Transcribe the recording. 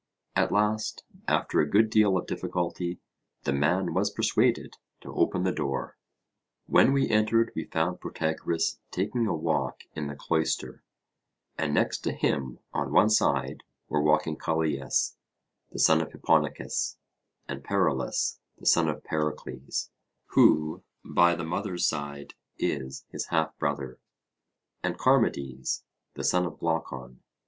At last, after a good deal of difficulty, the man was persuaded to open the door. When we entered, we found Protagoras taking a walk in the cloister; and next to him, on one side, were walking Callias, the son of Hipponicus, and Paralus, the son of Pericles, who, by the mother's side, is his half brother, and Charmides, the son of Glaucon.